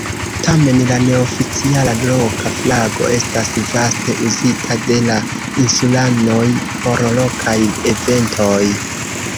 Tamen, la neoficiala loka flago estas vaste uzita de la insulanoj por lokaj eventoj.